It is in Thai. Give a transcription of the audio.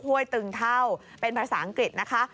้วยตึงเท่าเป็นภาษาอังกฤษนะคะ